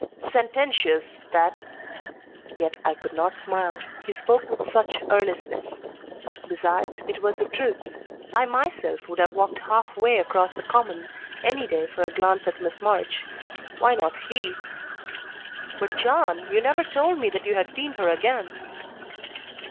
"Sententious that;" yet I could not smile he spoke with such earnestness. Besides, it was the truth. I myself would have walked half way across the common any day for a glance at Miss March. Why not he? "But, John, you never told me that you had seen her again!"